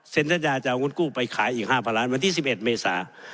สัญญาจะเอาเงินกู้ไปขายอีก๕๐๐ล้านวันที่๑๑เมษา